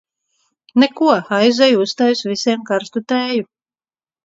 Neko, aizeju uztaisu visiem karstu tēju.